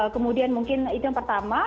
kemudian mungkin itu yang pertama